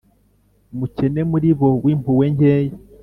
umukene muri bo w’impuhwe nkeya